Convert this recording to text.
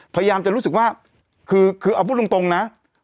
พยายามจะรู้สึกว่าคือเอาพูดตรงนะ